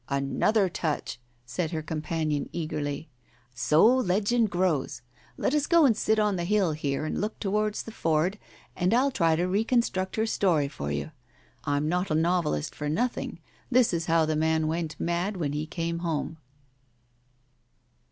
"Another touch !" said her companion eagerly. "So legend grows. Let us go and sit out on the hill, here, M Digitized by Google 162 TALES OF THE UNEASY and look towards the ford, and I'll try to reconstruct her story for you. Pm not a novelist for nothing. This is how the man went mad when he came home."